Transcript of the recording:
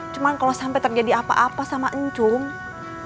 cuman kalau sampai terjadi apa apa sama encung